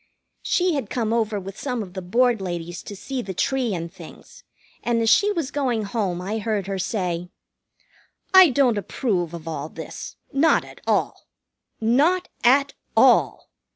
She had come over with some of the Board ladies to see the tree and things, and as she was going home I heard her say: "I don't approve of all this. Not at all. Not at all.